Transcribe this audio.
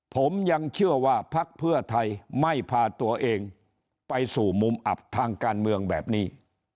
ผมยังเชื่อว่าพักเพื่อไทยไม่พาตัวเองไปสู่มุมอับทางการเมืองแบบนี้